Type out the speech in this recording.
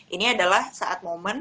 ini adalah saat momen